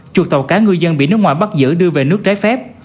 chuột tàu cá ngư dân bị nước ngoài bắt giữ đưa về nước trái phép